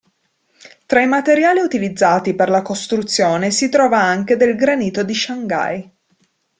Tra i materiali utilizzati per la costruzione si trova anche del granito di Shanghai.